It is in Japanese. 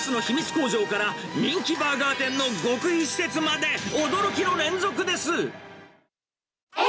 工場から、人気バーガー店の極秘施設まで、驚きの連続です。